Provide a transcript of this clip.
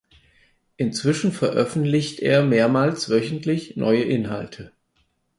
Inzwischen veröffentlicht er mehrmals wöchentlich neue Inhalte.